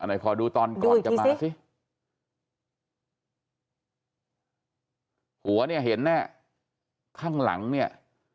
อันนี้พอดูตอนก่อนดูอีกทีซิหัวเนี่ยเห็นแน่ข้างหลังเนี่ย